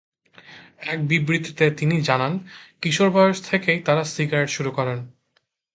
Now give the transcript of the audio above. এক বিবৃতিতে তিনি জানান, কিশোর বয়স থেকেই তারা সিগারেট শুরু করেন।